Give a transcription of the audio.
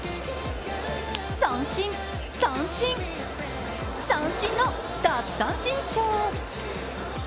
三振、三振、三振の奪三振ショー。